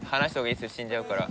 死んじゃうから。